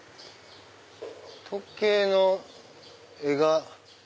時計の絵が。